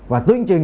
và tuyên truyền